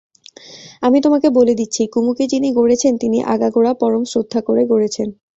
আমি তোমাকে বলে দিচ্ছি, কুমুকে যিনি গড়েছেন তিনি আগাগোড়া পরম শ্রদ্ধা করে গড়েছেন।